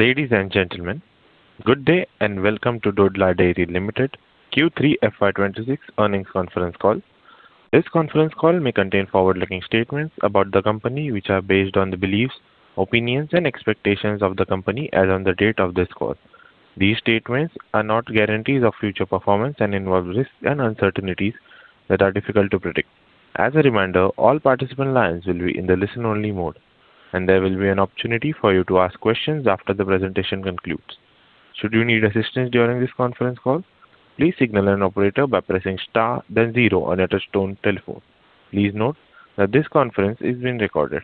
Ladies and gentlemen, good day, and welcome to Dodla Dairy Limited, Q3 FY 2026 earnings conference call. This conference call may contain forward-looking statements about the company, which are based on the beliefs, opinions, and expectations of the company as on the date of this call. These statements are not guarantees of future performance and involve risks and uncertainties that are difficult to predict. As a reminder, all participant lines will be in the listen-only mode, and there will be an opportunity for you to ask questions after the presentation concludes. Should you need assistance during this conference call, please signal an operator by pressing star then zero on your touch-tone telephone. Please note that this conference is being recorded.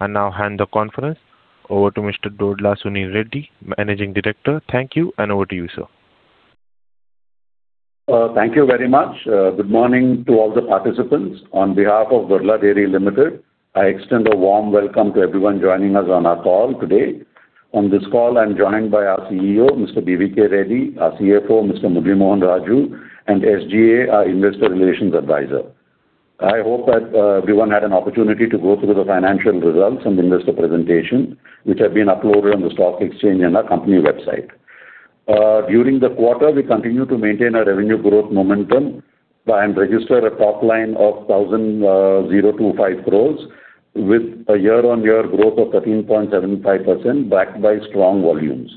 I now hand the conference over to Mr. Dodla Sunil Reddy, Managing Director. Thank you, and over to you, sir. Thank you very much. Good morning to all the participants. On behalf of Dodla Dairy Limited, I extend a warm welcome to everyone joining us on our call today. On this call, I'm joined by our CEO, Mr. B.V.K. Reddy, our CFO, Mr. B. Murali Mohan Reddy, and SGA, our Investor Relations Advisor. I hope that everyone had an opportunity to go through the financial results and investor presentation, which have been uploaded on the stock exchange and our company website. During the quarter, we continued to maintain our revenue growth momentum and register a top line of 1,025 crores, with a year-on-year growth of 13.75%, backed by strong volumes.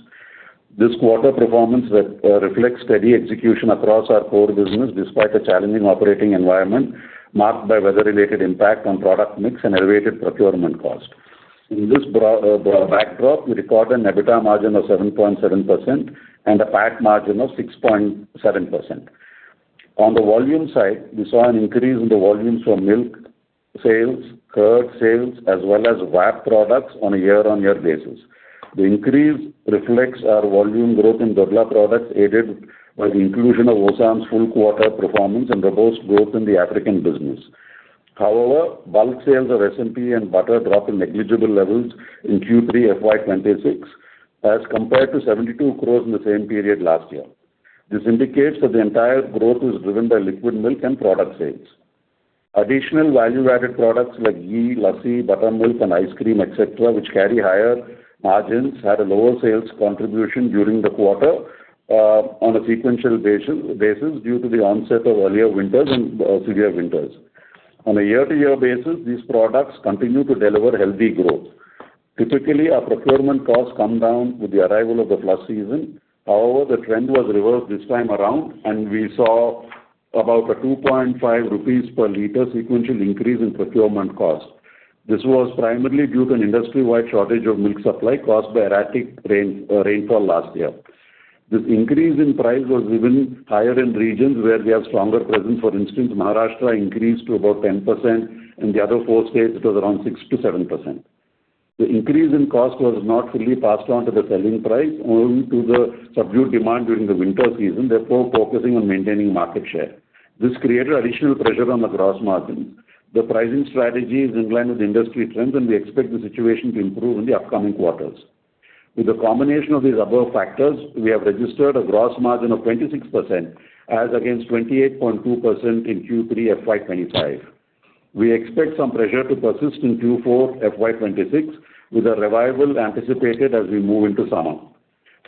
This quarter performance reflects steady execution across our core business, despite a challenging operating environment marked by weather-related impact on product mix and elevated procurement cost. In this broad backdrop, we recorded an EBITDA margin of 7.7% and a PAT margin of 6.7%. On the volume side, we saw an increase in the volumes from milk sales, curd sales, as well as VAP products on a year-on-year basis. The increase reflects our volume growth in Dodla products, aided by the inclusion of Osam's full quarter performance and robust growth in the African business. However, bulk sales of SMP and butter dropped to negligible levels in Q3 FY 2026, as compared to 72 crore in the same period last year. This indicates that the entire growth is driven by liquid milk and product sales. Additional value-added products like ghee, lassi, buttermilk, and ice cream, et cetera, which carry higher margins, had a lower sales contribution during the quarter on a sequential basis due to the onset of earlier winters and severe winters. On a year-to-year basis, these products continue to deliver healthy growth. Typically, our procurement costs come down with the arrival of the flush season. However, the trend was reversed this time around, and we saw about 2.5 rupees per liter sequential increase in procurement costs. This was primarily due to an industry-wide shortage of milk supply caused by erratic rainfall last year. This increase in price was even higher in regions where we have stronger presence. For instance, Maharashtra increased to about 10%. In the other four states, it was around 6%-7%. The increase in cost was not fully passed on to the selling price, owing to the subdued demand during the winter season, therefore focusing on maintaining market share. This created additional pressure on the gross margin. The pricing strategy is in line with industry trends, and we expect the situation to improve in the upcoming quarters. With the combination of these above factors, we have registered a gross margin of 26%, as against 28.2% in Q3 FY 2025. We expect some pressure to persist in Q4 FY 2026, with a revival anticipated as we move into summer.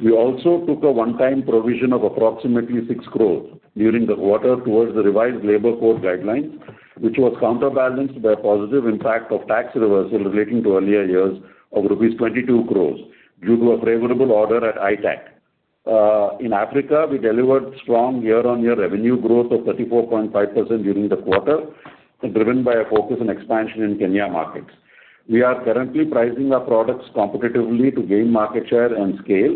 We also took a one-time provision of approximately 6 crore during the quarter towards the revised labor code guidelines, which was counterbalanced by a positive impact of tax reversal relating to earlier years of rupees 22 crore, due to a favorable order at ITAT. In Africa, we delivered strong year-on-year revenue growth of 34.5% during the quarter, driven by a focus on expansion in Kenyan markets. We are currently pricing our products competitively to gain market share and scale.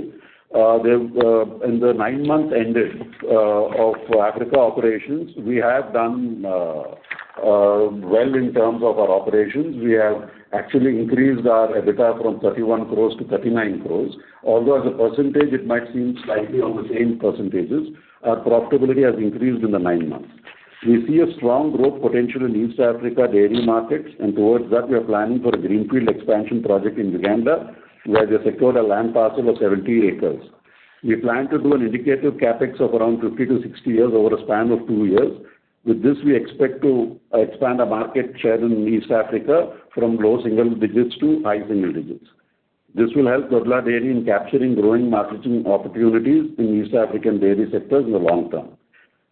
In the nine months ended of Africa operations, we have done well in terms of our operations. We have actually increased our EBITDA from 31 crore to 39 crore. Although as a percentage, it might seem slightly on the same percentages, our profitability has increased in the nine months. We see a strong growth potential in East Africa dairy markets, and towards that, we are planning for a greenfield expansion project in Uganda, where we have secured a land parcel of 70 acres. We plan to do an indicative CapEx of around 50 crores-60 crores over a span of two years. With this, we expect to expand our market share in East Africa from low single digits to high single digits. This will help Dodla Dairy in capturing growing marketing opportunities in East African dairy sectors in the long term.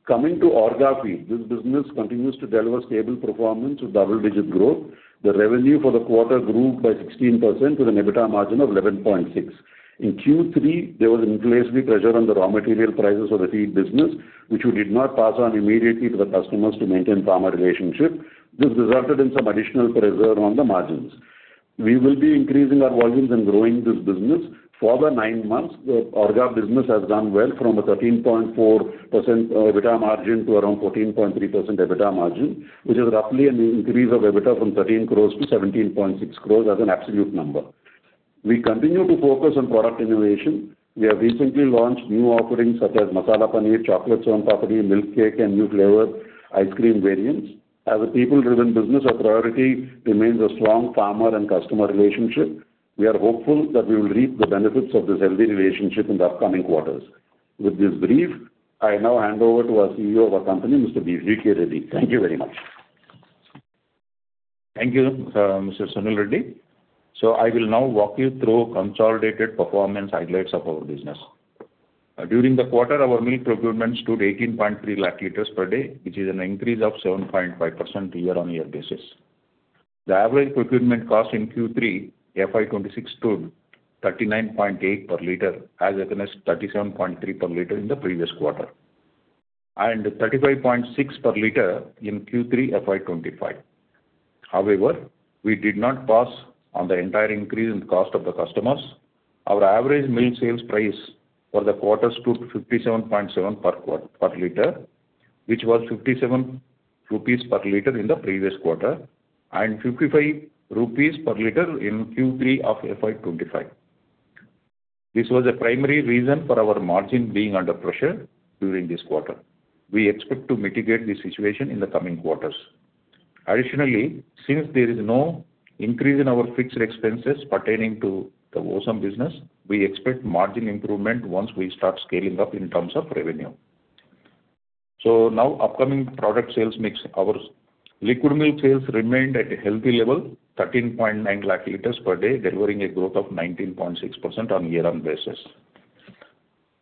Coming to Orgafeed, this business continues to deliver stable performance with double-digit growth. The revenue for the quarter grew by 16% with an EBITDA margin of 11.6%. In Q3, there was inflationary pressure on the raw material prices for the feed business, which we did not pass on immediately to the customers to maintain farmer relationship. This resulted in some additional pressure on the margins. We will be increasing our volumes and growing this business. For the nine months, the Orga business has done well, from a 13.4% EBITDA margin to around 14.3% EBITDA margin, which is roughly an increase of EBITDA from 13 crore to 17.6 crore as an absolute number. We continue to focus on product innovation. We have recently launched new offerings such as masala paneer, chocolate paneer, milk cake, and new flavor ice cream variants. As a people-driven business, our priority remains a strong farmer and customer relationship. We are hopeful that we will reap the benefits of this healthy relationship in the upcoming quarters. With this brief, I now hand over to our Chief Executive Officer of our company, Mr. B.V.K. Reddy. Thank you very much. Thank you, Mr. Sunil Reddy. So I will now walk you through consolidated performance highlights of our business. During the quarter, our milk procurement stood 18.3 lakh liters per day, which is an increase of 7.5% year-on-year basis. The average procurement cost in Q3 FY 2026 stood 39.8 per liter, as against 37.3 per liter in the previous quarter, and 35.6 per liter in Q3 FY 2025. However, we did not pass on the entire increase in cost of the customers. Our average milk sales price for the quarter stood 57.7 per liter, which was 57 rupees per liter in the previous quarter, and 55 rupees per liter in Q3 of FY 2025. This was a primary reason for our margin being under pressure during this quarter. We expect to mitigate this situation in the coming quarters. Additionally, since there is no increase in our fixed expenses pertaining to the Osam business, we expect margin improvement once we start scaling up in terms of revenue. So now, upcoming product sales mix. Our liquid milk sales remained at a healthy level, 13.9 lakh liters per day, delivering a growth of 19.6% on year-on-year basis.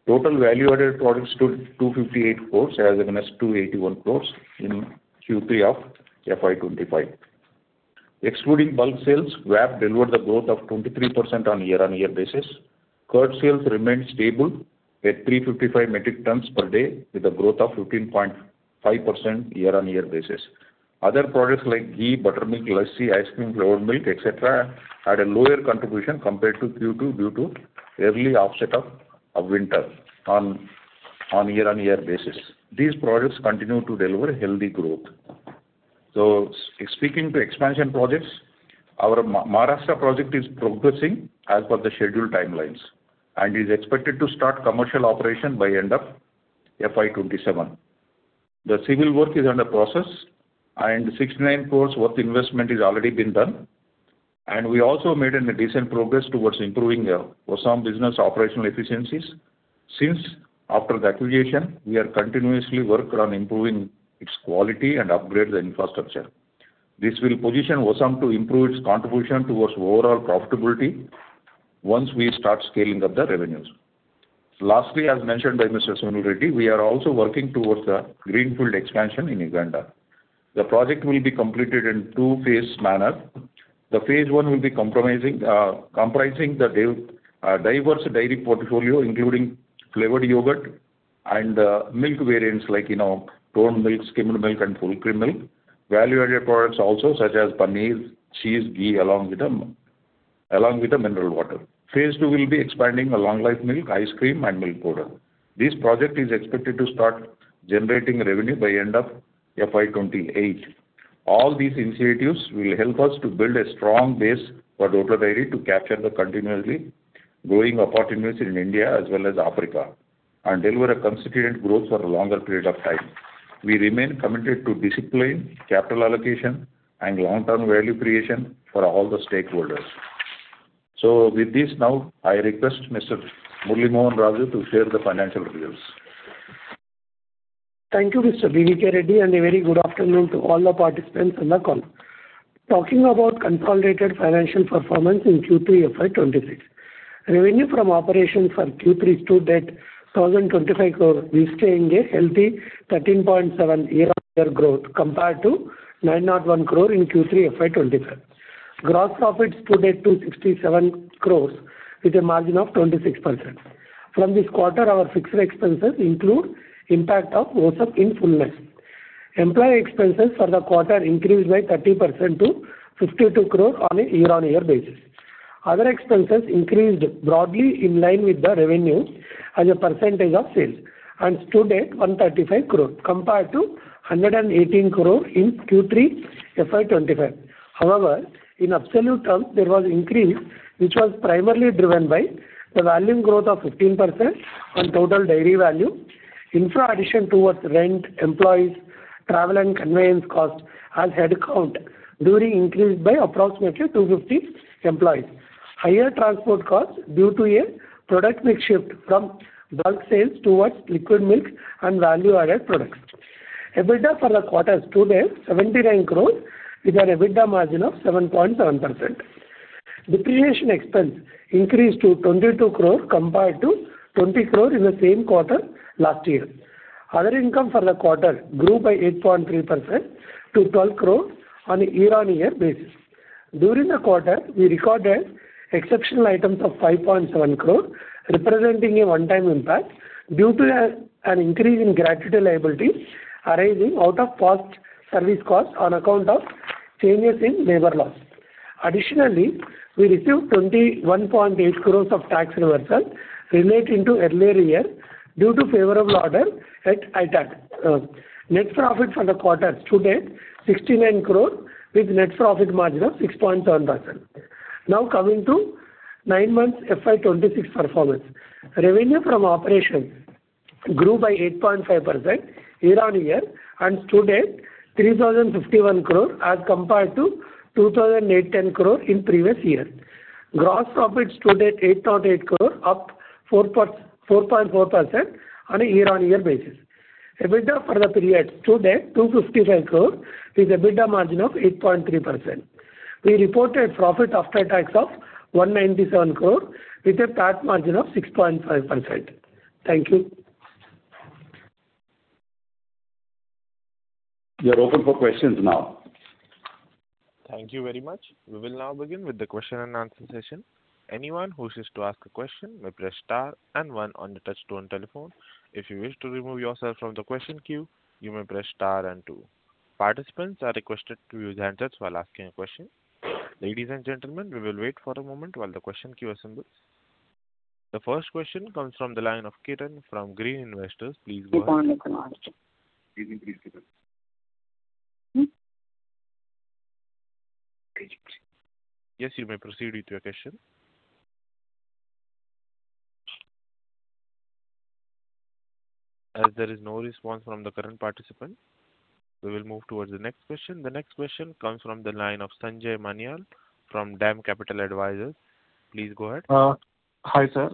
Total value-added products stood 258 crore as against 281 crore in Q3 of FY 2025. Excluding bulk sales, VAP delivered a growth of 23% on year-on-year basis. Curd sales remained stable at 355 metric tons per day, with a growth of 15.5% year-on-year basis. Other products like ghee, buttermilk, lassi, ice cream, flavored milk, et cetera, had a lower contribution compared to Q2, due to early onset of winter on year-on-year basis. These products continue to deliver healthy growth. Speaking to expansion projects, our Maharashtra project is progressing as per the scheduled timelines, and is expected to start commercial operation by end of FY 2027. The civil work is under process, and 69 crore worth investment is already been done. We also made a decent progress towards improving Osam business operational efficiencies. Since after the acquisition, we are continuously work on improving its quality and upgrade the infrastructure. This will position Osam to improve its contribution towards overall profitability once we start scaling up the revenues. Lastly, as mentioned by Mr. Sunil Reddy, we are also working towards a greenfield expansion in Uganda. The project will be completed in two phase manner. The Phase I will be comprising the diverse dairy portfolio, including flavored yogurt and milk variants like, you know, toned milk, skimmed milk, and full cream milk. Value-added products also, such as paneer, cheese, ghee, along with the mineral water. Phase II will be expanding the long-life milk, ice cream, and milk powder. This project is expected to start generating revenue by end of FY 2028. All these initiatives will help us to build a strong base for Dodla Dairy to capture the continuously growing opportunities in India as well as Africa, and deliver a constituent growth for a longer period of time. We remain committed to discipline, capital allocation, and long-term value creation for all the stakeholders. So with this now, I request Mr. B. Murali Mohan Reddy to share the financial reviews. Thank you, Mr. B.V.K. Reddy, and a very good afternoon to all the participants in the call. Talking about consolidated financial performance in Q3 FY 2026. Revenue from operations for Q3 stood at 1,025 crore, maintaining a healthy 13.7 year-on-year growth, compared to 901 crore in Q3 FY 2025. Gross profits stood at 267 crore, with a margin of 26%. From this quarter, our fixed expenses include impact of Osam in fullness. Employee expenses for the quarter increased by 30% to 52 crore on a year-on-year basis. Other expenses increased broadly in line with the revenue as a percentage of sales, and stood at 135 crore, compared to 118 crore in Q3 FY 2025. However, in absolute terms, there was an increase, which was primarily driven by the volume growth of 15% on total dairy value, infra addition towards rent, employees, travel and conveyance costs, as headcount during increased by approximately 250 employees. Higher transport costs due to a product mix shift from bulk sales towards liquid milk and value-added products. EBITDA for the quarter stood at 79 crore, with an EBITDA margin of 7.7%. Depreciation expense increased to 22 crore, compared to 20 crore in the same quarter last year. Other income for the quarter grew by 8.3% to 12 crore on a year-on-year basis. During the quarter, we recorded exceptional items of 5.7 crore, representing a one-time impact due to an increase in gratuity liabilities arising out of past service costs on account of changes in labor laws. Additionally, we received 21.8 crore of tax reversal relating to earlier year due to favorable order at ITAT. Net profit for the quarter stood at 69 crore, with net profit margin of 6.7%. Now, coming to nine months FY 2026 performance. Revenue from operations grew by 8.5% year-on-year, and stood at 3,051 crore as compared to 2,810 crore in previous year. Gross profit stood at 808 crore, up 4.4% on a year-on-year basis. EBITDA for the period today, 255 crore, with EBITDA margin of 8.3%. We reported profit after tax of 197 crore, with a tax margin of 6.5%. Thank you. We are open for questions now. Thank you very much. We will now begin with the question and answer session. Anyone who wishes to ask a question may press star and one on your touchtone telephone. If you wish to remove yourself from the question queue, you may press star and two. Participants are requested to use handsets while asking a question. Ladies and gentlemen, we will wait for a moment while the question queue assembles. The first question comes from the line of Kiran from Green Investors. Please go ahead. Yes, you may proceed with your question. As there is no response from the current participant, we will move towards the next question. The next question comes from the line of Sanjay Manyal from DAM Capital Advisors. Please go ahead. Hi, sir.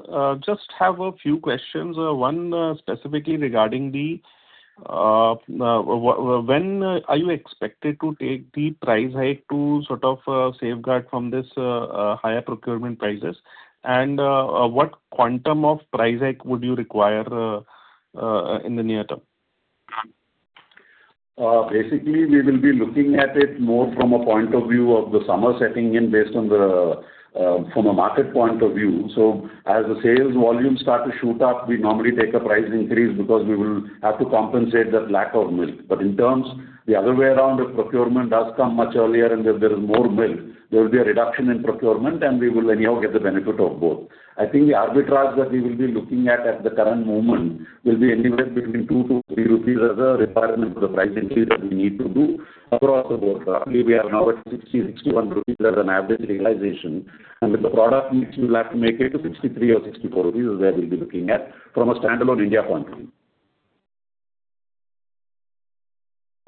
Just have a few questions. One, specifically regarding when are you expected to take the price hike to sort of safeguard from this higher procurement prices? And what quantum of price hike would you require in the near term? Basically, we will be looking at it more from a point of view of the summer setting in, based on the, from a market point of view. So as the sales volumes start to shoot up, we normally take a price increase because we will have to compensate that lack of milk. But in terms, the other way around, if procurement does come much earlier and if there is more milk, there will be a reduction in procurement, and we will anyhow get the benefit of both. I think the arbitrage that we will be looking at, at the current moment, will be anywhere between 2-3 rupees as a requirement for the price increase that we need to do across the board. Roughly, we are now at 60-61 rupees as an average realization, and with the product mix, we will have to make it to 63 or 64 rupees, is where we'll be looking at from a standalone India point of view.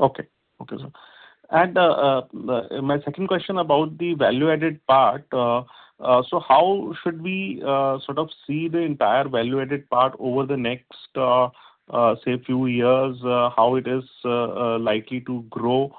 Okay. Okay, sir. And my second question about the value-added part. So how should we sort of see the entire value-added part over the next say few years? How it is likely to grow?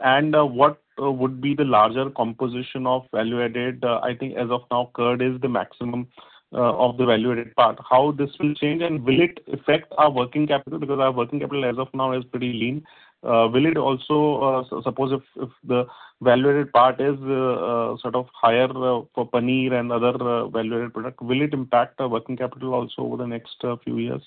And what would be the larger composition of value-added? I think as of now, curd is the maximum of the value-added part. How this will change, and will it affect our working capital? Because our working capital, as of now, is pretty lean. Will it also suppose if the value-added part is sort of higher for paneer and other value-added product, will it impact our working capital also over the next few years?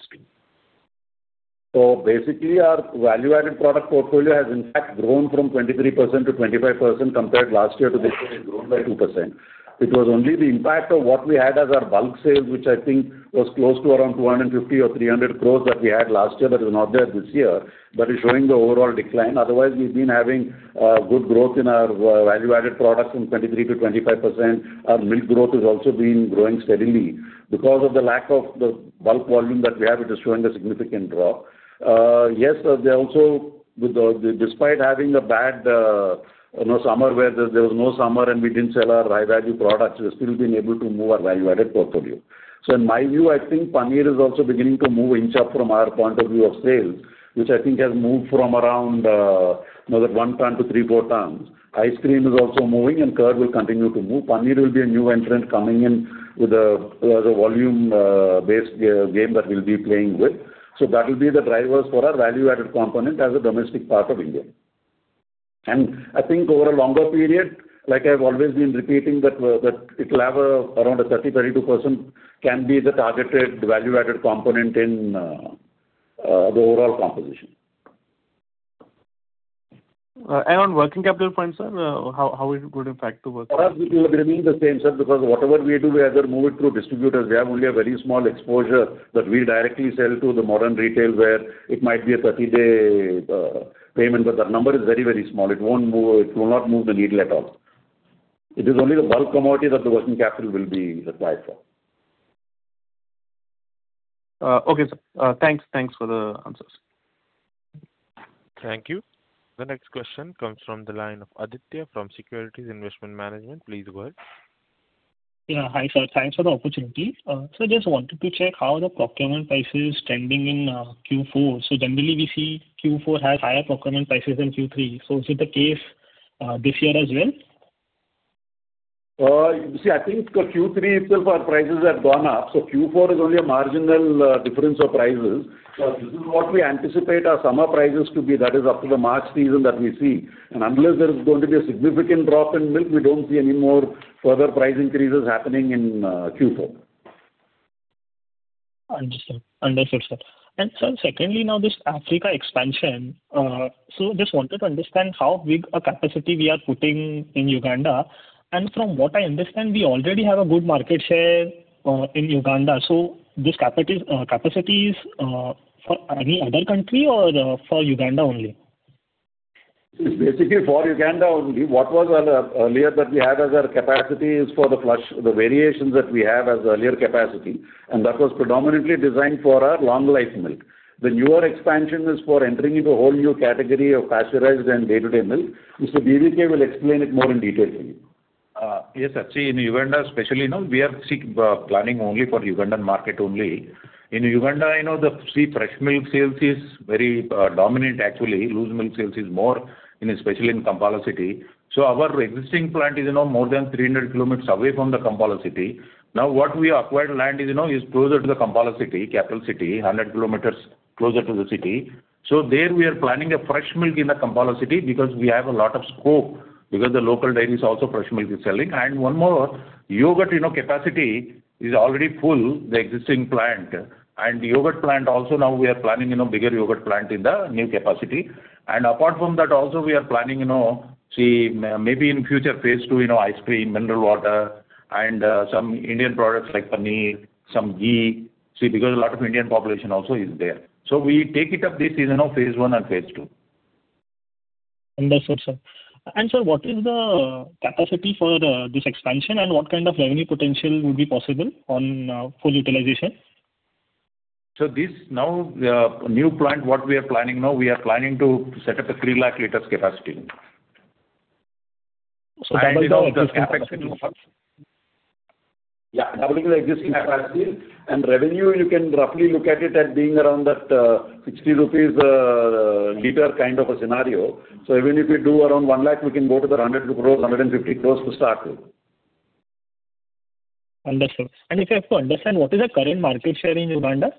So basically, our value-added product portfolio has in fact grown from 23% to 25% compared to last year to this year, it's grown by 2%. It was only the impact of what we had as our bulk sales, which I think was close to around 250 crore or 300 crore that we had last year, that is not there this year. That is showing the overall decline. Otherwise, we've been having good growth in our value-added products from 23% to 25%. Our milk growth has also been growing steadily. Because of the lack of the bulk volume that we have, it is showing a significant drop. Yes, there are also with the—despite having a bad, you know, summer, where there was no summer and we didn't sell our high-value products, we've still been able to move our value-added portfolio. So in my view, I think Paneer is also beginning to inch up from our point of view of sales, which I think has moved from around 1 ton to 3-4 tons. Ice cream is also moving, and curd will continue to move. Paneer will be a new entrant coming in with the volume-based game that we'll be playing with. So that will be the drivers for our value-added component as a domestic part of India. I think over a longer period, like I've always been repeating, that that it'll have around a 30%-32% can be the targeted value-added component in the overall composition. On working capital front, sir, how it would impact the working capital? For us, it will remain the same, sir, because whatever we do, we either move it through distributors. We have only a very small exposure that we directly sell to the modern retail, where it might be a 30-day payment, but that number is very, very small. It won't move. It will not move the needle at all. It is only the bulk commodity that the working capital will be required for. Okay, sir. Thanks. Thanks for the answers. Thank you. The next question comes from the line of Aditya from Securities Investment Management. Please go ahead. Yeah. Hi, sir. Thanks for the opportunity. So just wanted to check how the procurement price is trending in Q4. So generally, we see Q4 has higher procurement prices than Q3. So is it the case this year as well? You see, I think for Q3 itself, our prices have gone up, so Q4 is only a marginal difference of prices. But this is what we anticipate our summer prices to be, that is up to the March season that we see. And unless there is going to be a significant drop in milk, we don't see any more further price increases happening in Q4. Understood. Understood, sir. And sir, secondly, now, this Africa expansion, so just wanted to understand how big a capacity we are putting in Uganda. And from what I understand, we already have a good market share in Uganda. So this capacity is for any other country or for Uganda only? It's basically for Uganda only. What was our earlier that we had as our capacity is for the flush, the variations that we have as earlier capacity, and that was predominantly designed for our long-life milk. The newer expansion is for entering into a whole new category of pasteurized and day-to-day milk. Mr. B.V.K. will explain it more in detail to you. Yes, actually, in Uganda especially, you know, we are seeking planning only for Ugandan market only. In Uganda, you know, the fresh milk sales is very dominant actually. Loose milk sales is more in, especially in Kampala city. So our existing plant is, you know, more than 300 km away from the Kampala city. Now, what we acquired land is, you know, is closer to the Kampala city, capital city, 100 km closer to the city. So there we are planning fresh milk in the Kampala city because we have a lot of scope, because the local dairies also fresh milk is selling. And one more, yogurt, you know, capacity is already full, the existing plant. And yogurt plant also now we are planning, you know, bigger yogurt plant in the new capacity. And apart from that also, we are planning, you know, see, maybe in future Phase II, you know, ice cream, mineral water, and some Indian products like paneer, some ghee. See, because a lot of Indian population also is there. So we take it up. This is, you know, Phase I and Phase II. Understood, sir. And sir, what is the capacity for the, this expansion, and what kind of revenue potential would be possible on, full utilization? So, this now, the new plant, what we are planning now, we are planning to set up a 3 lakh liters capacity. So Yeah, doubling the existing capacity. And revenue, you can roughly look at it as being around that, 60 rupees/liter kind of a scenario. So even if we do around 1 lakh, we can go to 100 crore-150 crore to start with. Understood. If I have to understand, what is the current market share in Uganda?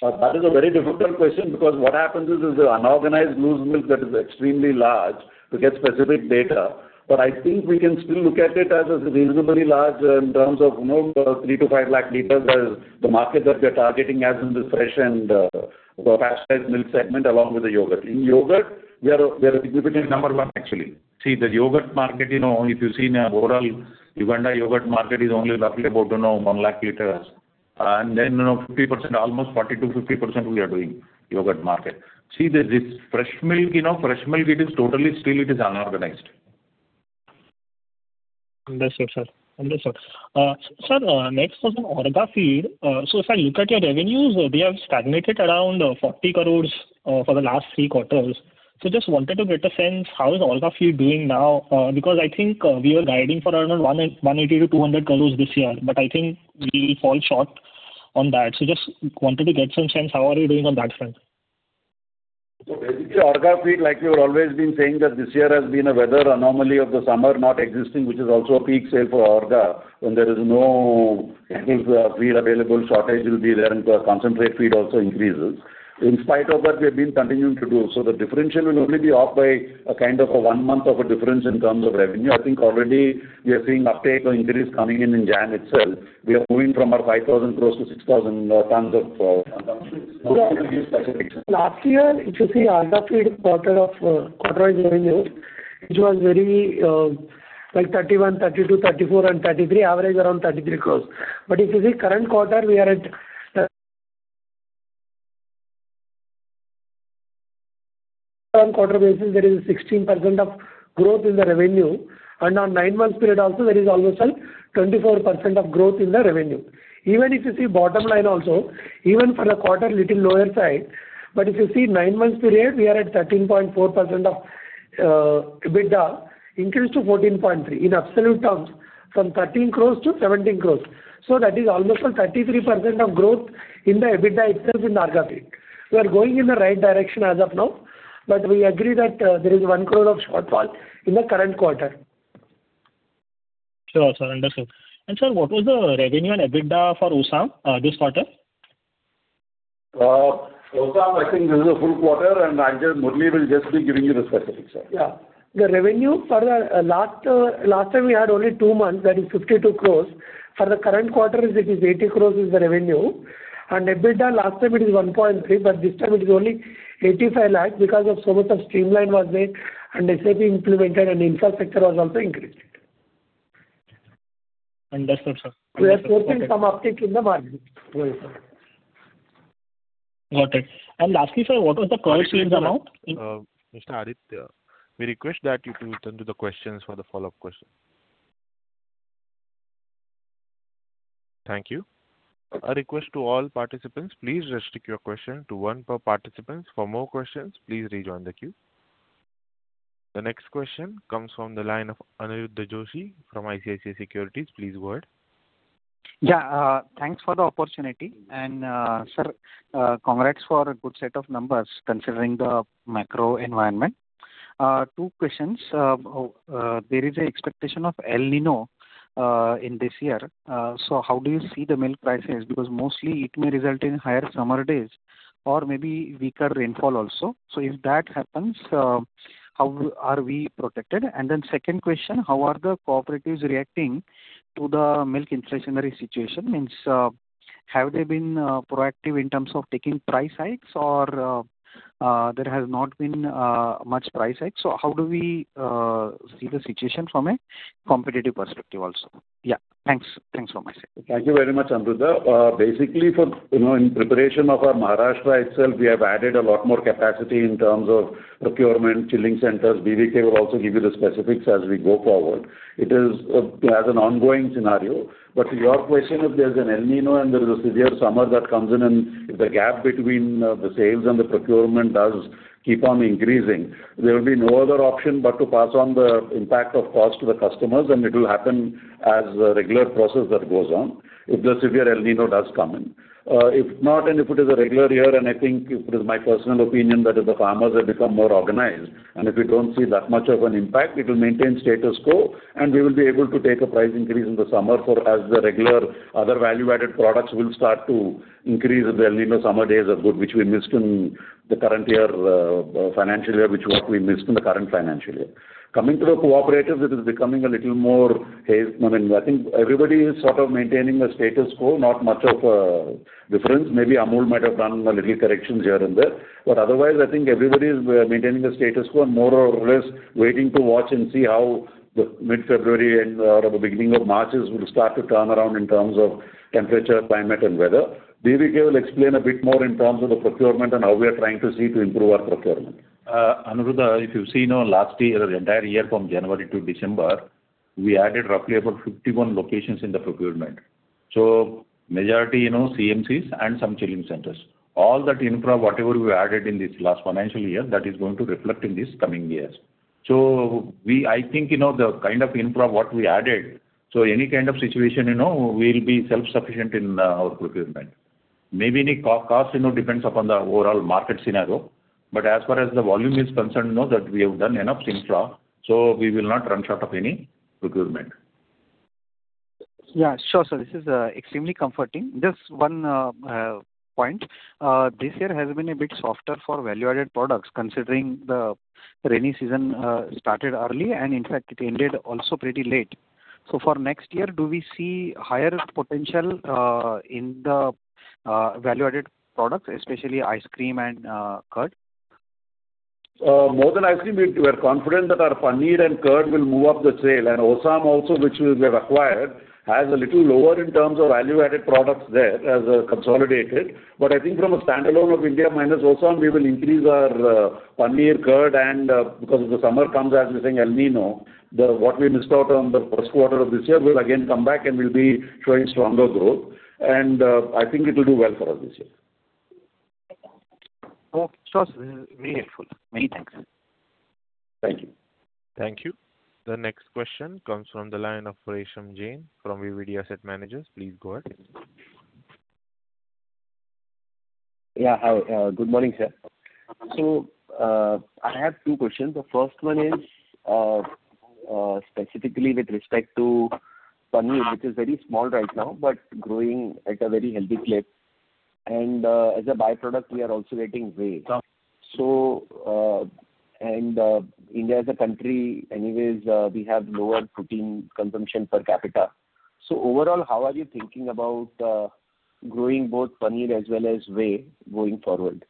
That is a very difficult question, because what happens is, is the unorganized loose milk that is extremely large to get specific data. But I think we can still look at it as a reasonably large, in terms of, you know, 3-5 lakh liters, as the market that we are targeting as in the fresh and pasteurized milk segment, along with the yogurt. In yogurt, we are, we are equivalent number one, actually. See, the yogurt market, you know, if you see in the overall Uganda yogurt market is only roughly about, you know, 1 lakh liters. And then, you know, 50%, almost 40%-50% we are doing yogurt market. See, the, this fresh milk, you know, fresh milk, it is totally still, it is unorganized. Understood, sir. Understood. Sir, next was on Orgafeed. So if I look at your revenues, they have stagnated around 40 crores for the last three quarters. So just wanted to get a sense, how is Orgafeed doing now? Because I think, we are guiding for around 110 crores-200 crores this year, but I think we fall short on that. So just wanted to get some sense, how are you doing on that front? So basically, Orgafeed, like we were always been saying, that this year has been a weather anomaly of the summer not existing, which is also a peak sale for Orga. When there is no cattle feed available, shortage will be there, and so concentrate feed also increases. In spite of that, we have been continuing to do. So the differential will only be off by a kind of a one month of a difference in terms of revenue. I think already we are seeing uptake or increase coming in, in January itself. We are moving from our 5,000 tons to 6,000 tons of specifics. Last year, if you see Orgafeed quarterly revenues, which was very, like 31, 32, 34, and 33, average around 33 crores. But if you see current quarter, we are at... On quarter basis, there is 16% growth in the revenue, and on nine months period also, there is almost a 24% growth in the revenue. Even if you see bottom line also, even for the quarter, little lower side, but if you see nine months period, we are at 13.4% of EBITDA, increase to 14.3. In absolute terms, from 13 crore to 17 crore. So that is almost a 33% growth in the EBITDA itself in Orgafeed. We are going in the right direction as of now, but we agree that, there is 1 crore of shortfall in the current quarter. Sure, sir. Understood. Sir, what was the revenue and EBITDA for Osam this quarter? Osam, I think this is a full quarter, and I think Murali will just be giving you the specifics, sir. Yeah. The revenue for the, last, last time we had only two months, that is 52 crores. For the current quarter, it is 80 crores is the revenue. And EBITDA, last time it is 1.3, but this time it is only 85 lakhs because of so much of streamline was made, and SAP implemented, and infrastructure was also increased. Understood, sir. We are seeing some uptake in the market. Got it. Lastly, sir, what was the current fleet amount? Mr. Aditya, we request that you to return to the questions for the follow-up question. Thank you. A request to all participants, please restrict your question to one per participant. For more questions, please rejoin the queue. The next question comes from the line of Aniruddha Joshi from ICICI Securities. Please go ahead. Yeah, thanks for the opportunity. And, sir, congrats for a good set of numbers, considering the macro environment. Two questions. There is an expectation of El Niño in this year. So how do you see the milk prices? Because mostly it may result in higher summer days or maybe weaker rainfall also. So if that happens, how are we protected? And then second question, how are the cooperatives reacting to the milk inflationary situation? Means, have they been proactive in terms of taking price hikes, or there has not been much price hikes? So how do we see the situation from a competitive perspective also? Yeah, thanks. Thanks for my sake. Thank you very much, Aniruddha. Basically for, you know, in preparation of our Maharashtra itself, we have added a lot more capacity in terms of procurement, chilling centers. B.V.K. will also give you the specifics as we go forward. It is, as an ongoing scenario. But to your question, if there's an El Niño and there is a severe summer that comes in, and if the gap between, the sales and the procurement does keep on increasing, there will be no other option but to pass on the impact of cost to the customers, and it will happen as a regular process that goes on, if the severe El Niño does come in. If not, and if it is a regular year, and I think it is my personal opinion, that is, the farmers have become more organized, and if we don't see that much of an impact, it will maintain status quo, and we will be able to take a price increase in the summer for as the regular other value-added products will start to increase if the El Niño summer days are good, which we missed in the current year, financial year, which what we missed in the current financial year. Coming to the cooperatives, it is becoming a little more hazy. I mean, I think everybody is sort of maintaining a status quo, not much of a difference. Maybe Amul might have done a little corrections here and there. But otherwise, I think everybody is maintaining a status quo, more or less waiting to watch and see how the mid-February and or the beginning of March will start to turn around in terms of temperature, climate, and weather. B.V.K. will explain a bit more in terms of the procurement and how we are trying to see to improve our procurement. Amruta, if you've seen our last year, the entire year from January to December, we added roughly about 51 locations in the procurement. So majority, you know, CMCs and some chilling centers. All that infra, whatever we added in this last financial year, that is going to reflect in these coming years. So we-- I think, you know, the kind of infra what we added, so any kind of situation, you know, we'll be self-sufficient in, our procurement. Maybe any cost, you know, depends upon the overall market scenario, but as far as the volume is concerned, you know that we have done enough infra, so we will not run short of any procurement. Yeah, sure, sir, this is extremely comforting. Just one point. This year has been a bit softer for value-added products, considering the rainy season started early, and in fact, it ended also pretty late. So for next year, do we see higher potential in the value-added products, especially ice cream and curd? More than ice cream, we, we are confident that our paneer and curd will move up the sale. And Osam also, which we have acquired, has a little lower in terms of value-added products there as consolidated. But I think from a standalone of India minus Osam, we will increase our paneer, curd, and because if the summer comes as we say El Niño, the what we missed out on the first quarter of this year will again come back and will be showing stronger growth. And I think it will do well for us this year. Okay. Sure, sir. Very helpful. Many thanks. Thank you. Thank you. The next question comes from the line of Resham Jain from DSP Asset Managers. Please go ahead. Yeah. Hi, good morning, sir. So, I have two questions. The first one is, specifically with respect to paneer, which is very small right now, but growing at a very healthy clip. And, as a by-product, we are also getting whey. So, and, India as a country, anyways, we have lower protein consumption per capita. So overall, how are you thinking about, growing both paneer as well as whey going forward?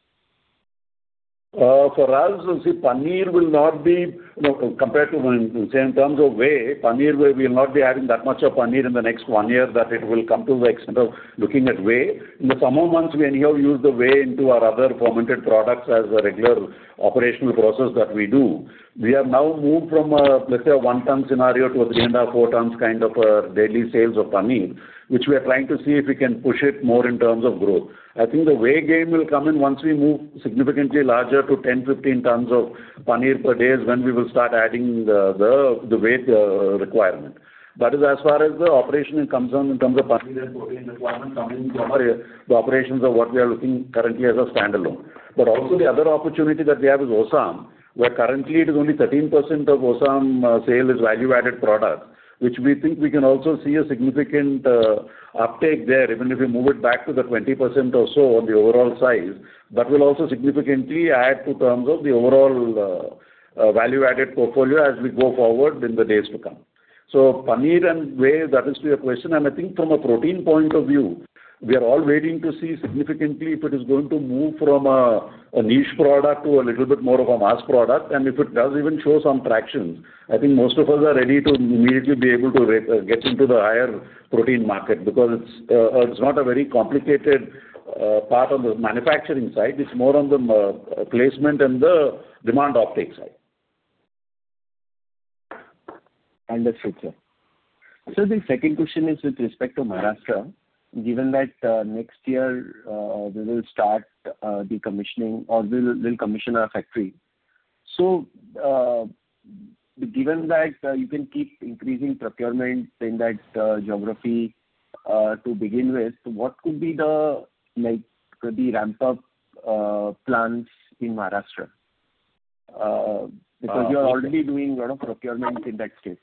For us, you see, paneer will not be, you know, compared to, say, in terms of whey, paneer, we will not be adding that much of paneer in the next one year, that it will come to the extent of looking at whey. In the summer months, we anyhow use the whey into our other fermented products as a regular operational process that we do. We have now moved from a, let's say, a 1-ton scenario to a 3.5-4 tons kind of a daily sales of paneer, which we are trying to see if we can push it more in terms of growth. I think the whey game will come in once we move significantly larger to 10-15 tons of paneer per day is when we will start adding the whey requirement. That is as far as the operation is concerned in terms of paneer and protein requirement coming from our operations or what we are looking currently as a standalone. But also the other opportunity that we have is Osam, where currently it is only 13% of Osam sale is value-added product, which we think we can also see a significant uptake there, even if we move it back to the 20% or so on the overall size. That will also significantly add to terms of the overall value-added portfolio as we go forward in the days to come. So paneer and whey, that is to your question, and I think from a protein point of view, we are all waiting to see significantly if it is going to move from a niche product to a little bit more of a mass product. If it does even show some traction, I think most of us are ready to immediately be able to get into the higher protein market because it's, it's not a very complicated, part on the manufacturing side. It's more on the placement and the demand uptake side. Understood, sir. So the second question is with respect to Maharashtra. Given that, next year, we will start, the commissioning or we will, we'll commission our factory. So, given that, you can keep increasing procurement in that geography, to begin with, what could be the, like, the ramp-up, plans in Maharashtra? Because you are already doing lot of procurement in that state.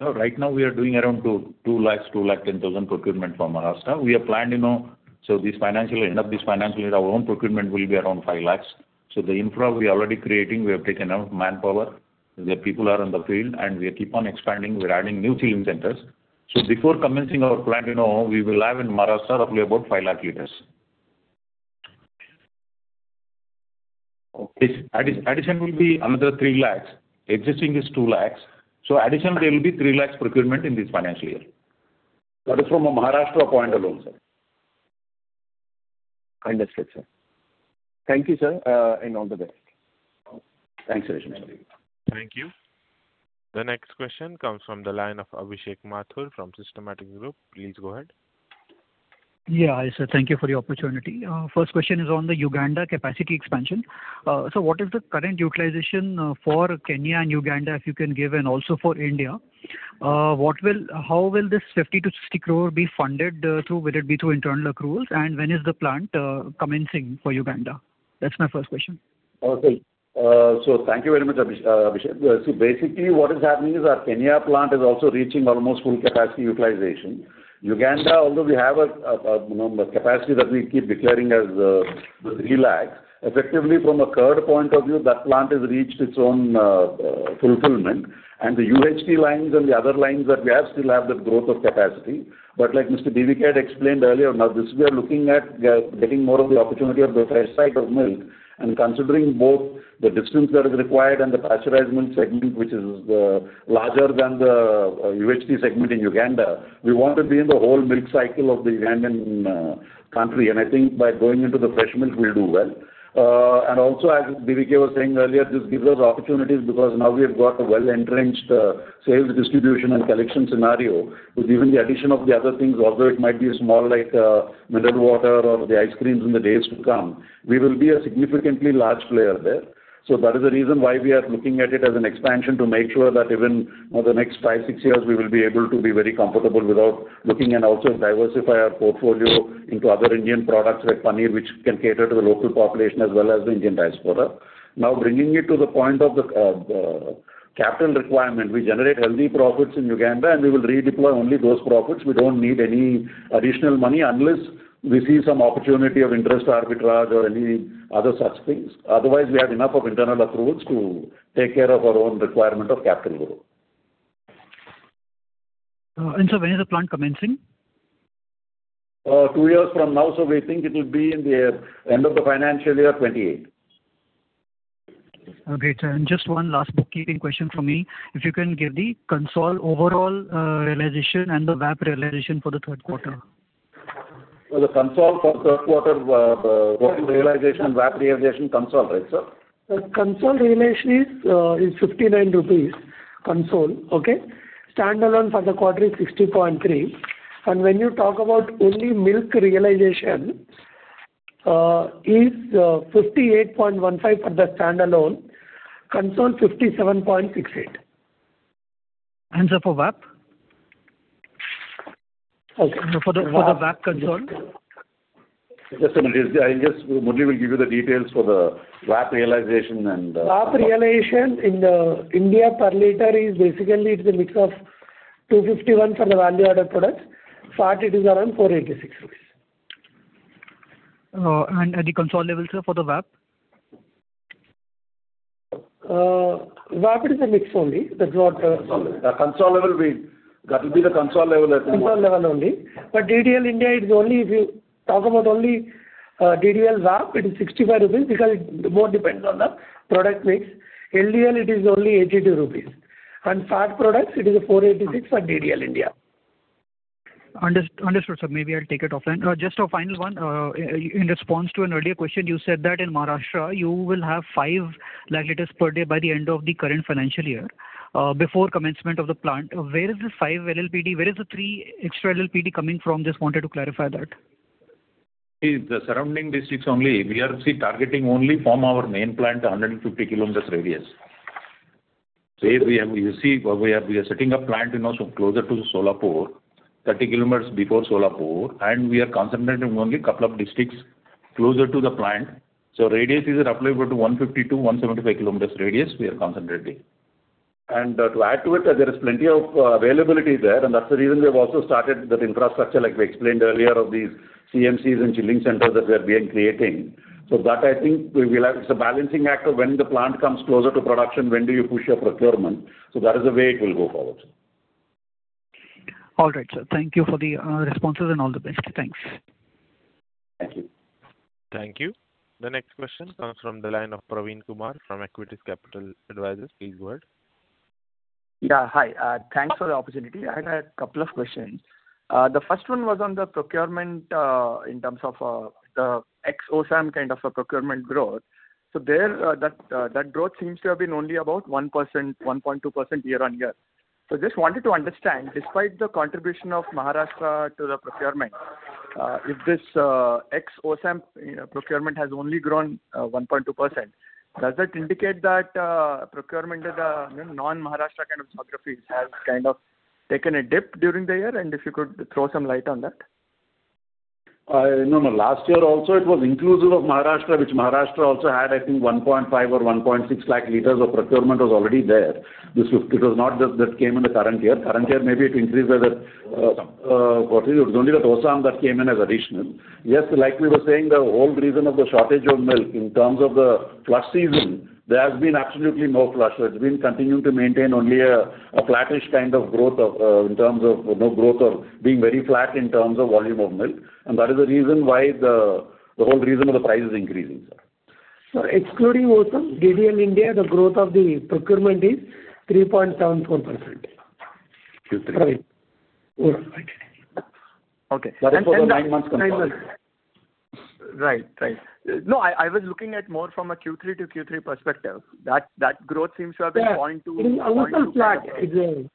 No, right now we are doing around 2 lakh 10 thousand procurement from Maharashtra. We have planned, you know, so this financial, end of this financial year, our own procurement will be around 5 lakhs. So the infra we are already creating, we have taken out manpower, the people are on the field, and we keep on expanding. We're adding new chilling centers. So before commencing our plant, you know, we will have in Maharashtra, roughly about 5 lakh liters. Okay. Addition will be another 3 lakhs. Existing is 2 lakhs, so additional there will be 3 lakhs procurement in this financial year. That is from a Maharashtra point alone, sir. Understood, sir. Thank you, sir, and all the best. Thanks, Resham. Thank you. The next question comes from the line of Abhishek Mathur from Systematix Group. Please go ahead. Yeah, hi, sir. Thank you for the opportunity. First question is on the Uganda capacity expansion. So what is the current utilization for Kenya and Uganda, if you can give, and also for India? What will—how will this 50-60 crore be funded through? Will it be through internal accruals? And when is the plant commencing for Uganda? That's my first question. Okay. So thank you very much, Abhishek, Abhishek. So basically, what is happening is our Kenya plant is also reaching almost full capacity utilization. Uganda, although we have a you know, capacity that we keep declaring as 3 lakhs, effectively, from a curd point of view, that plant has reached its own fulfillment. And the UHT lines and the other lines that we have still have that growth of capacity. But like Mr. B.V.K. had explained earlier, now this we are looking at getting more of the opportunity of the fresh side of milk. And considering both the distance that is required and the pasteurized milk segment, which is larger than the UHT segment in Uganda, we want to be in the whole milk cycle of the Ugandan country. I think by going into the fresh milk, we'll do well. And also, as B.V.K. was saying earlier, this gives us opportunities because now we have got a well-entrenched, sales distribution and collection scenario. With even the addition of the other things, although it might be small, like, mineral water or the ice creams in the days to come, we will be a significantly large player there. That is the reason why we are looking at it as an expansion, to make sure that even, over the next five, six years, we will be able to be very comfortable without looking and also diversify our portfolio into other Indian products like paneer, which can cater to the local population as well as the Indian diaspora. Now, bringing it to the point of the capital requirement, we generate healthy profits in Uganda, and we will redeploy only those profits. We don't need any additional money unless we see some opportunity of interest arbitrage or any other such things. Otherwise, we have enough of internal accruals to take care of our own requirement of capital growth. When is the plant commencing? Two years from now, so we think it will be in the end of the financial year, 2028. Okay, sir. Just one last bookkeeping question from me. If you can give the consolidated overall realization and the VAP realization for the third quarter. Well, the consol for third quarter, the realization, VAP realization consol, right, sir? The consol realization is 59 rupees. Consol, okay? Standalone for the quarter is 60.3. And when you talk about only milk realization, is 58.15 for the standalone, consol 57.68. Sir, for VAP? Okay. For the VAP consol. Just a minute. I think Murali will give you the details for the VAP realization and VAP realization in India per liter is basically, it's a mix of 251 from the value-added products, so it is around 486 rupees. The consolidated level, sir, for the VAP? VAP it is a mix only. That's what, Consolidated, consolidated level will be. That will be the consolidated level, I think. Consolidated level only. But DDL India, it's only, if you talk about only, DDL VAP, it is 65 rupees, because it more depends on the product mix. LDL, it is only 82 rupees, and fat products, it is 486 for DDL India. Understood, sir. Maybe I'll take it offline. Just a final one. In response to an earlier question, you said that in Maharashtra, you will have 5 lakh liters per day by the end of the current financial year, before commencement of the plant. Where is the 5 LLPD? Where is the 3 extra LLPD coming from? Just wanted to clarify that. The surrounding districts only. We are still targeting only from our main plant, 150 km radius. So we have, you see, we are, we are setting up plant, you know, closer to Solapur, 30 km before Solapur, and we are concentrating only couple of districts closer to the plant. So radius is roughly about 150-175 km radius we are concentrating. And to add to it, there is plenty of availability there, and that's the reason we have also started that infrastructure, like we explained earlier, of these CMCs and chilling centers that we have been creating. So that, I think, we will have—It's a balancing act of when the plant comes closer to production, when do you push your procurement. So that is the way it will go forward. All right, sir. Thank you for the responses, and all the best. Thanks. Thank you. Thank you. The next question comes from the line of Praveen Kumar from Acuitas Capital. Please go ahead. Yeah, hi. Thanks for the opportunity. I had a couple of questions. The first one was on the procurement, in terms of the ex-Osam kind of a procurement growth. So there, that growth seems to have been only about 1%, 1.2% year-on-year. So just wanted to understand, despite the contribution of Maharashtra to the procurement, if this ex-Osam procurement has only grown 1.2%, does that indicate that procurement of the non-Maharashtra kind of geographies has kind of taken a dip during the year? And if you could throw some light on that. No, no, last year also it was inclusive of Maharashtra, which Maharashtra also had, I think, 1.5 or 1.6 lakh liters of procurement was already there. This was. It was not just that came in the current year. Current year, maybe it increased by the, what is it? It's only the Osam that came in as additional. Yes, like we were saying, the whole reason of the shortage of milk in terms of the flush season, there has been absolutely no flush. So it's been continuing to maintain only a, a flattish kind of growth of, in terms of, you know, growth of being very flat in terms of volume of milk. And that is the reason why the, the whole reason of the price is increasing, sir. Sir, excluding Osam, GDN India, the growth of the procurement is 3.74%. Q3. Right. Overall. Okay. That is for the nine months, confirmed. Nine months. Right, right. No, I, I was looking at more from a Q3 to Q3 perspective. That, that growth seems to have been point two- Yes, it is almost flat, again.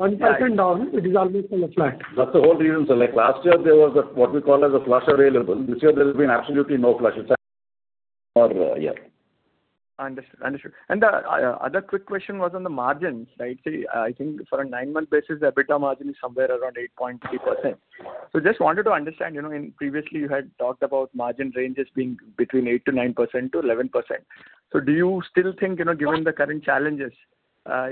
1% down, it is almost kind of flat. That's the whole reason, sir. Like, last year, there was what we call as a flush available. This year, there has been absolutely no flush. Understood, understood. And the other quick question was on the margins, right? So I think for a nine-month basis, the EBITDA margin is somewhere around 8.3%. So just wanted to understand, you know, in previously you had talked about margin ranges being between 8%-9% to 11%. So do you still think, you know, given the current challenges,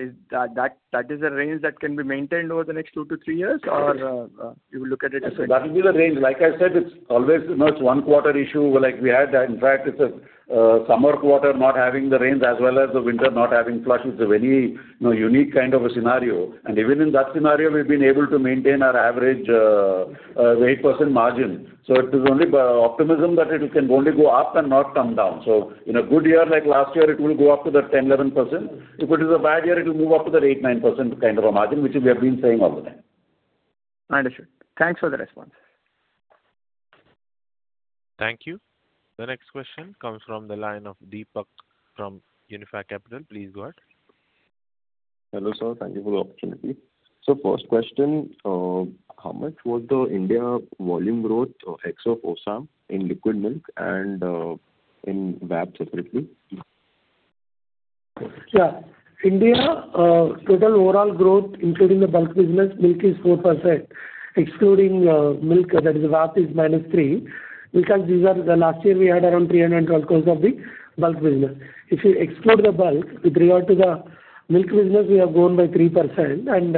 is that a range that can be maintained over the next two to three years? Or you will look at it differently. That will be the range. Like I said, it's always, you know, it's one quarter issue, like we had. In fact, it's a summer quarter not having the rains as well as the winter not having flush. It's a very, you know, unique kind of a scenario. And even in that scenario, we've been able to maintain our average 8% margin. So it is only by optimism that it can only go up and not come down. So in a good year, like last year, it will go up to the 10%-11%. If it is a bad year, it will move up to the 8%-9% kind of a margin, which we have been saying all the time. Understood. Thanks for the response. Thank you. The next question comes from the line of Deepak from Unifi Capital. Please go ahead. Hello, sir. Thank you for the opportunity. So first question, how much was the India volume growth ex of Osam in liquid milk and in VAP separately? Yeah. India, total overall growth, including the bulk business, milk is 4%. Excluding milk, that is VAP, is minus 3%. Because these are. The last year we had around 300,000 of the bulk business. If you exclude the bulk, with regard to the milk business, we have grown by 3% and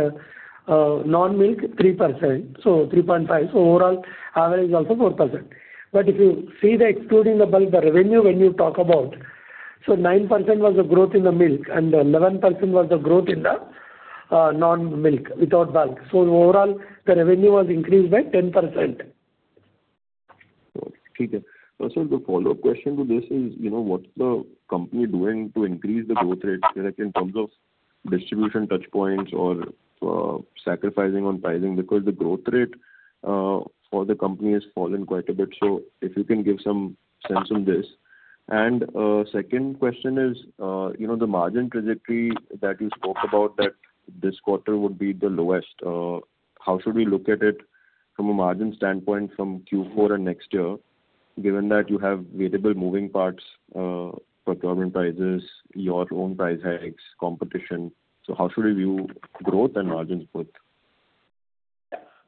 non-milk, 3%, so 3.5%. So overall, average is also 4%. But if you see the excluding the bulk, the revenue, when you talk about, so 9% was the growth in the milk and 11% was the growth in the non-milk, without bulk. So overall, the revenue was increased by 10%. Okay. So the follow-up question to this is, you know, what's the company doing to increase the growth rate in terms of distribution touch points or, sacrificing on pricing? Because the growth rate, for the company has fallen quite a bit. So if you can give some sense on this. And, second question is, you know, the margin trajectory that you spoke about, that this quarter would be the lowest. How should we look at it from a margin standpoint from Q4 and next year, given that you have variable moving parts, procurement prices, your own price hikes, competition? So how should we view growth and margins both?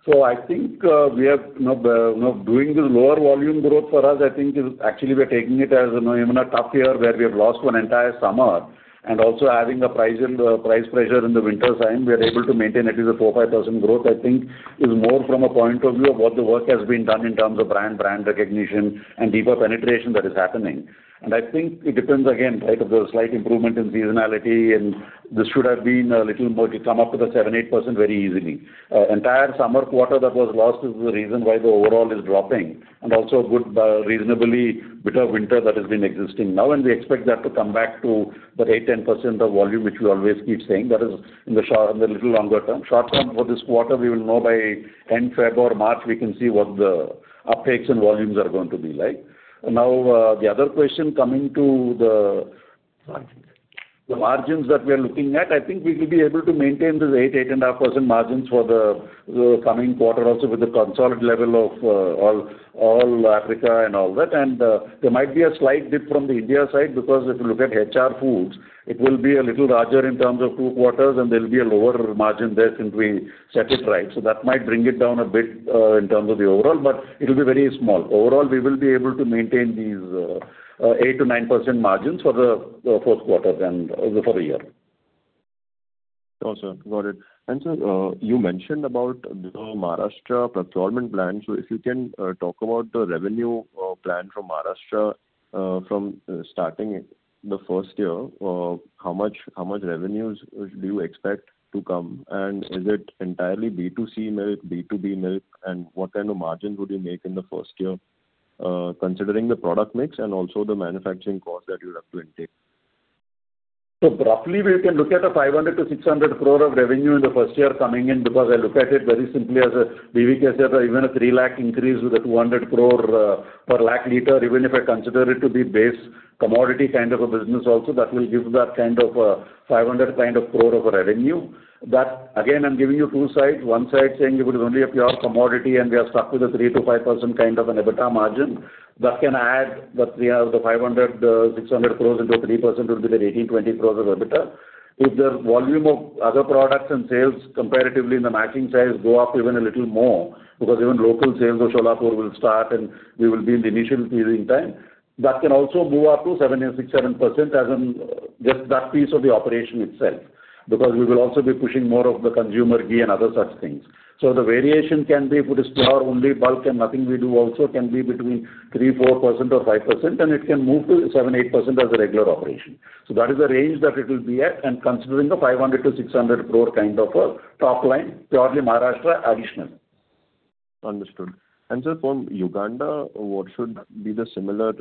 So I think, we are, you know, you know, doing this lower volume growth for us, I think is actually we're taking it as, you know, even a tough year, where we have lost one entire summer, and also having the pricing, price pressure in the winter time, we are able to maintain at least a 4%-5% growth, I think, is more from a point of view of what the work has been done in terms of brand, brand recognition, and deeper penetration that is happening. And I think it depends again, right, of the slight improvement in seasonality, and this should have been a little more to come up to the 7%-8% very easily. Entire summer quarter that was lost is the reason why the overall is dropping, and also a good, reasonably bitter winter that has been existing now. And we expect that to come back to the 8%-10% of volume, which we always keep saying, that is in the short term, in the little longer term. Short term, for this quarter, we will know by end February or March, we can see what the uptakes and volumes are going to be like. Now, the other question, coming to the- Margins the margins that we are looking at, I think we will be able to maintain this 8%-8.5% margins for the coming quarter also with the consolidated level of all, all Africa and all that. There might be a slight dip from the India side, because if you look at HR Foods, it will be a little larger in terms of two quarters, and there'll be a lower margin there since we set it right. So that might bring it down a bit in terms of the overall, but it will be very small. Overall, we will be able to maintain these 8%-9% margins for the first quarter then for the year. Awesome. Got it. Sir, you mentioned about the Maharashtra procurement plan. If you can talk about the revenue plan from Maharashtra from starting the first year, how much, how much revenues do you expect to come? And is it entirely B2C milk, B2B milk, and what kind of margin would you make in the first year, considering the product mix and also the manufacturing cost that you'd have to intake? So roughly, we can look at 500 crore-600 crore of revenue in the first year coming in, because I look at it very simply as a, B.V.K. said, even a 3 lakh increase with a 200 crore per lakh liter, even if I consider it to be base commodity kind of a business also, that will give that kind of a 500 kind of crore of a revenue. That, again, I'm giving you two sides. One side saying it would only a pure commodity, and we are stuck with a 3%-5% kind of an EBITDA margin. That can add that we have the 500 crore-600 crore into a 3% will be the 18 crore-20 crore of EBITDA. If the volume of other products and sales comparatively in the matching sales go up even a little more, because even local sales of Solapur will start, and we will be in the initial phasing time, that can also move up to 7% or 6%-7% as in just that piece of the operation itself. Because we will also be pushing more of the consumer ghee and other such things. So the variation can be, if it is pure only bulk and nothing we do also, can be between 3%-4% or 5%, and it can move to 7%-8% as a regular operation. So that is the range that it will be at, and considering the 500 crore-600 crore kind of a top line, purely Maharashtra additional. Understood. Sir, from Uganda, what should be the similar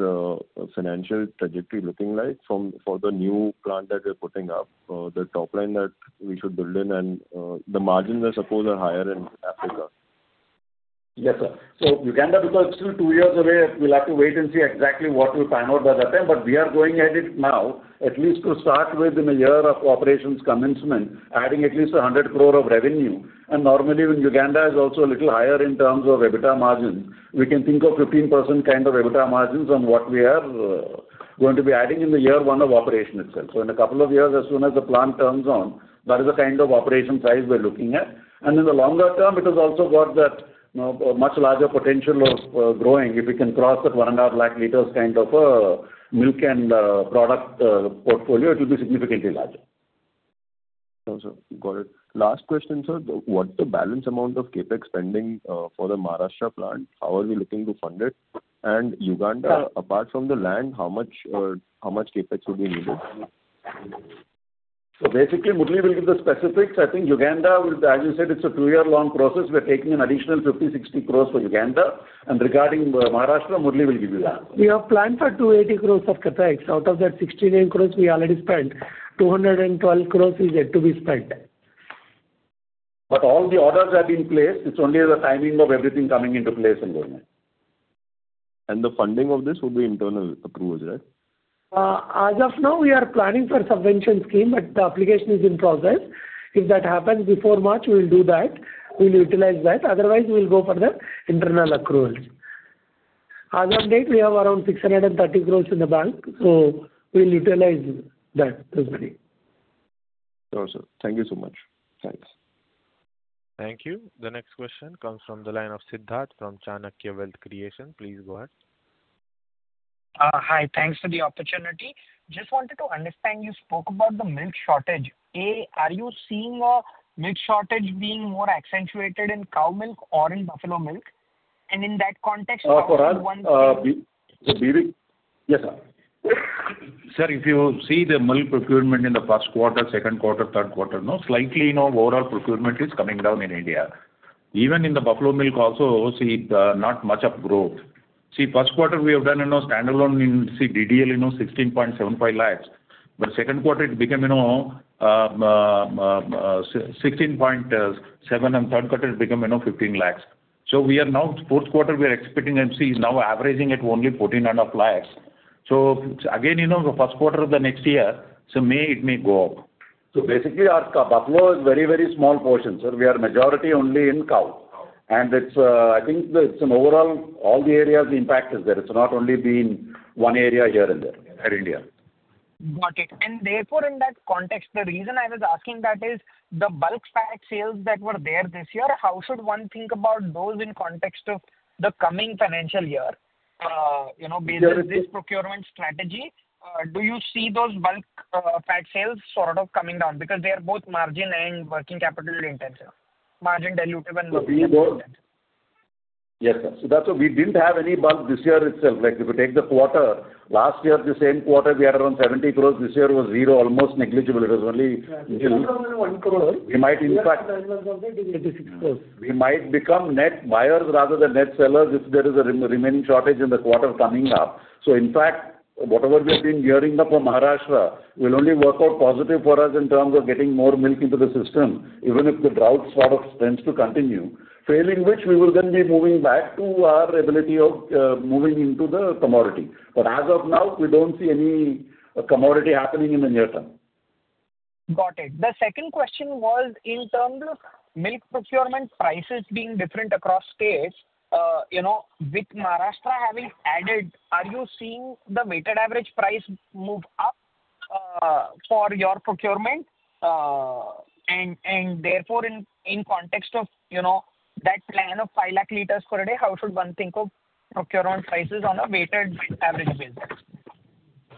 financial trajectory looking like for the new plant that you're putting up? The top line that we should build in, and the margins I suppose, are higher in Africa. Yes, sir. So Uganda, because it's still two years away, we'll have to wait and see exactly what we plan out by that time. But we are going at it now, at least to start with in a year of operations commencement, adding at least 100 crore of revenue. And normally, when Uganda is also a little higher in terms of EBITDA margin, we can think of 15% kind of EBITDA margins on what we are, going to be adding in the year one of operation itself. So in a couple of years, as soon as the plant turns on, that is the kind of operation size we're looking at. And in the longer term, it has also got that, you know, much larger potential of, growing. If we can cross that 1.5 lakh liters kind of a milk and product portfolio, it will be significantly larger. Sure, sir. Got it. Last question, sir: what's the balance amount of CapEx spending for the Maharashtra plant? How are we looking to fund it? And Uganda, apart from the land, how much CapEx would be needed? So basically, Murali will give the specifics. I think Uganda will, as you said, it's a two-year-long process. We're taking an additional 50 crores-60 crores for Uganda. And regarding Maharashtra, Murali will give you that. We have planned for 280 crores of CapEx. Out of that 69 crores, we already spent. 212 crores is yet to be spent. But all the orders have been placed. It's only the timing of everything coming into place and going on. The funding of this will be internal accruals, right? As of now, we are planning for subvention scheme, but the application is in process. If that happens before March, we'll do that. We'll utilize that. Otherwise, we'll go for the internal accruals. As of date, we have around 630 crore in the bank, so we'll utilize that as well. Sure, sir. Thank you so much. Thanks. Thank you. The next question comes from the line of Sidharth from Chanakya Wealth Creation. Please go ahead. Hi. Thanks for the opportunity. Just wanted to understand, you spoke about the milk shortage. Are you seeing a milk shortage being more accentuated in cow milk or in buffalo milk? And in that context, how should one- For us, so B.V.- Yes, sir. Sir, if you see the milk procurement in the first quarter, second quarter, third quarter, slightly, you know, overall procurement is coming down in India. Even in the buffalo milk also, see, not much of growth. See, first quarter, we have done, you know, standalone in, see, DDL, you know, 16.75 lakhs. But second quarter, it became, you know, 16.7 lakhs, and third quarter, it became, you know, 15 lakhs. So we are now, fourth quarter, we are expecting and see, is now averaging at only 14.5 lakhs. So again, you know, the first quarter of the next year, so may, it may go up. So basically, our buffalo is very, very small portion, sir. We are majority only in cow. It's, I think, it's an overall, all the areas, the impact is there. It's not only been one area here and there, in India. Got it. Therefore, in that context, the reason I was asking that is, the bulk fat sales that were there this year, how should one think about those in context of the coming financial year? You know, based on this procurement strategy, do you see those bulk fat sales sort of coming down? Because they are both margin and working capital intensive, margin dilutive and working capital intensive. Yes, sir. So that's why we didn't have any bulk this year itself. Like, if you take the quarter, last year, the same quarter, we had around 70 crore. This year it was zero, almost negligible. It was only 1 crore. We might in fact INR 68 crores. We might become net buyers rather than net sellers, if there is a re- remaining shortage in the quarter coming up. So in fact, whatever we've been gearing up for Maharashtra, will only work out positive for us in terms of getting more milk into the system, even if the drought sort of tends to continue. Failing which, we will then be moving back to our ability of, moving into the commodity. But as of now, we don't see any commodity happening in the near term. Got it. The second question was in terms of milk procurement prices being different across states, you know, with Maharashtra having added, are you seeing the weighted average price move up, for your procurement? And therefore, in context of, you know, that plan of 5 lakh liters per day, how should one think of procurement prices on a weighted average basis?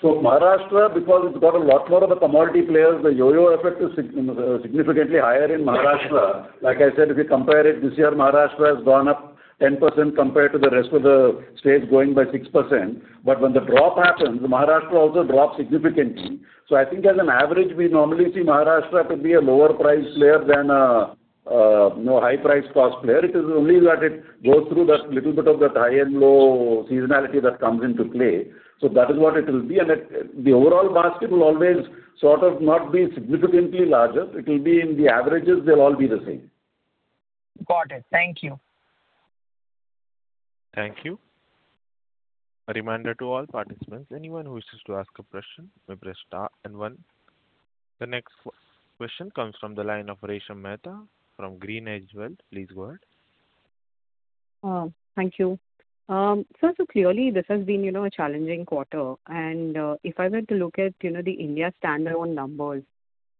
So Maharashtra, because it's got a lot more of the commodity players, the yo-yo effect is significantly higher in Maharashtra. Like I said, if you compare it, this year, Maharashtra has gone up 10% compared to the rest of the states going by 6%. But when the drop happens, Maharashtra also drops significantly. So I think as an average, we normally see Maharashtra to be a lower price player than a, you know, high price cost player. It is only that it goes through that little bit of that high and low seasonality that comes into play. So that is what it will be, and the overall basket will always sort of not be significantly larger. It will be in the averages, they'll all be the same. Got it. Thank you. Thank you. A reminder to all participants, anyone who wishes to ask a question, may press star and one. The next question comes from the line of Resha Mehta from Green Edge Wealth. Please go ahead. Thank you. So, so clearly, this has been, you know, a challenging quarter. And, if I were to look at, you know, the India standalone numbers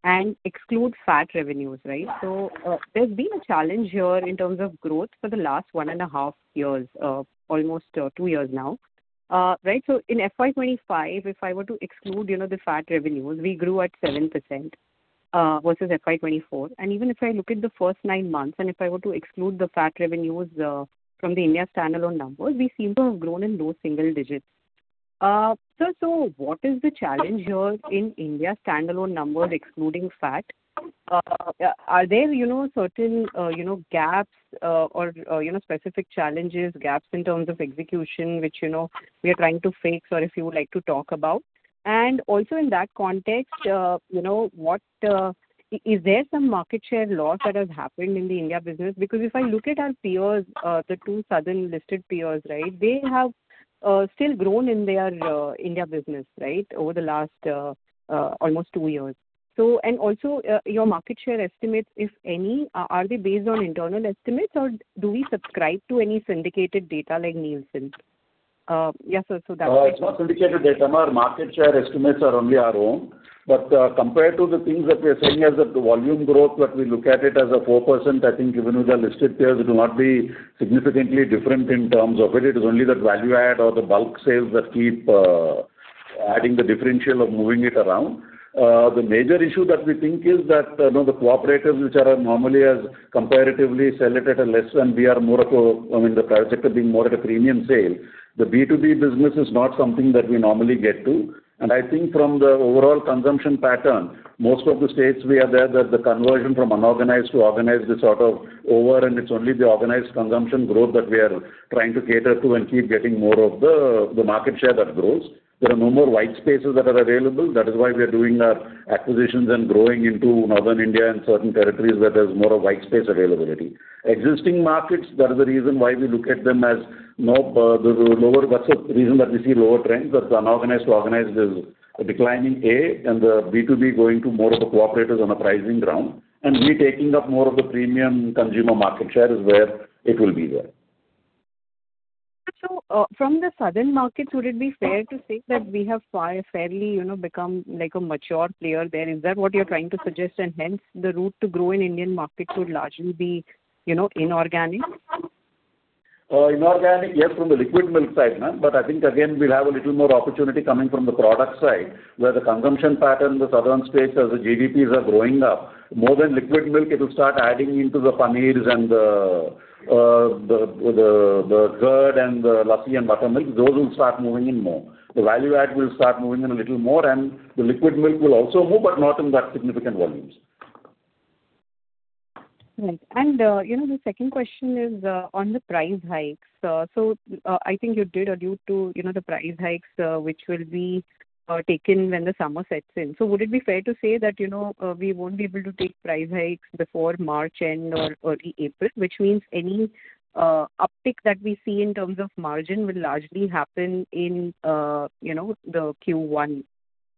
and exclude fat revenues, right? So, there's been a challenge here in terms of growth for the last one and a half years, almost, two years now. Right. So in FY 2025, if I were to exclude, you know, the fat revenues, we grew at 7% versus FY 2024. And even if I look at the first nine months, and if I were to exclude the fat revenues from the India standalone numbers, we seem to have grown in low single digits. So, so what is the challenge here in India standalone numbers excluding fat? Are there, you know, certain, you know, gaps, or, you know, specific challenges, gaps in terms of execution, which, you know, we are trying to face or if you would like to talk about? And also in that context, you know, what, is there some market share loss that has happened in the India business? Because if I look at our peers, the two southern listed peers, right, they have still grown in their India business, right, over the last, almost two years. So, and also, your market share estimates, if any, are they based on internal estimates, or do we subscribe to any syndicated data like Nielsen? Yes, sir, so that's- It's not syndicated data. Our market share estimates are only our own. But, compared to the things that we are saying as the volume growth, that we look at it as a 4%, I think even with the listed peers, it will not be significantly different in terms of it. It is only the value add or the bulk sales that keep adding the differential or moving it around. The major issue that we think is that, you know, the cooperatives, which are normally as comparatively sell it at a less, and we are more of a, I mean, the project of being more at a premium sale. The B2B business is not something that we normally get to. I think from the overall consumption pattern, most of the states we are there, that the conversion from unorganized to organized is sort of over, and it's only the organized consumption growth that we are trying to cater to and keep getting more of the market share that grows. There are no more white spaces that are available. That is why we are doing our acquisitions and growing into northern India and certain territories where there's more of white space availability. Existing markets, that is the reason why we look at them as more the lower. That's the reason that we see lower trends, that unorganized to organized is declining, A, and the B2B going to more of the cooperatives on a pricing ground, and we taking up more of the premium consumer market share is where it will be there. So, from the southern markets, would it be fair to say that we have fairly, you know, become like a mature player there? Is that what you're trying to suggest? And hence, the route to grow in Indian market would largely be, you know, inorganic? Inorganic, yes, from the liquid milk side, ma'am. But I think again, we'll have a little more opportunity coming from the product side, where the consumption pattern, the southern states, as the GDPs are growing up, more than liquid milk, it will start adding into the paneer and the curd and the lassi and buttermilk, those will start moving in more. The value add will start moving in a little more, and the liquid milk will also move, but not in that significant volumes. Right. And, you know, the second question is, on the price hikes. So, I think you did allude to, you know, the price hikes, which will be, taken when the summer sets in. So would it be fair to say that, you know, we won't be able to take price hikes before March end or early April, which means any, uptick that we see in terms of margin will largely happen in, you know, the Q1 of